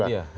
nah itu dia